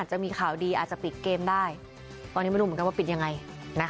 จะมีข่าวดีอาจจะปิดเกมได้ตอนนี้ไม่รู้เหมือนกันว่าปิดยังไงนะคะ